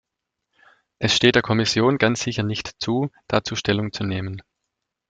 Es steht der Kommission ganz sicher nicht zu, dazu Stellung zu nehmen.